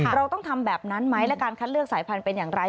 เราต้องทำแบบนั้นไหมและการคัดเลือกสายพันธุ์เป็นอย่างไร